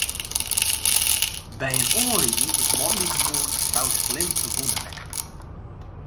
By in oanriding is moandeitemoarn in frou slim ferwûne rekke.